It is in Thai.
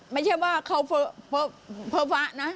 ไม่ใช่ว่าเขาฟะนะ